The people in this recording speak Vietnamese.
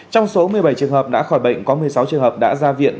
trong số một mươi bảy trường hợp đã khỏi bệnh có một mươi sáu trường hợp đã ra viện